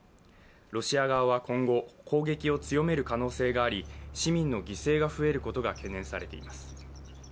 ロシア側は今後、攻撃を強める可能性があり市民の犠牲が増えることが懸念されています。